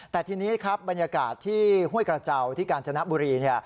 แต่ทีนี้ครับบรรยากาศที่ห้วยกระเจ้าที่กาญจนบุรี